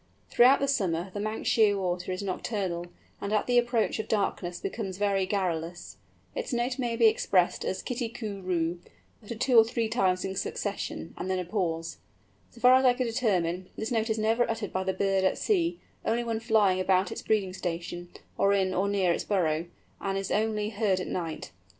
Throughout the summer the Manx Shearwater is nocturnal, and at the approach of darkness becomes very garrulous. Its note may be expressed as kitty coo roo, uttered two or three times in succession, and then a pause. So far as I could determine, this note is never uttered by the bird at sea, only when flying about its breeding station, or in or near its burrow, and is only heard at night.